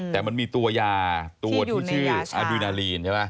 แต่มันมีตัวยาตัวที่ชื่ออะดูนาลีน